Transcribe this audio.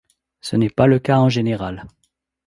Ce n’est pas le cas en général.